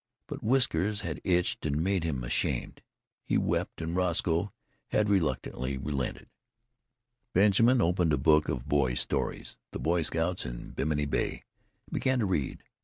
But whiskers had itched and made him ashamed. He wept and Roscoe had reluctantly relented. Benjamin opened a book of boys' stories, The Boy Scouts in Bimini Bay, and began to read.